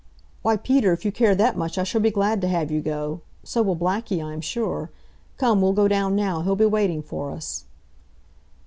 "Why, Peter, if you care that much I shall be glad to have you go. So will Blackie, I am sure. Come, we'll go down now. He'll be waiting for us."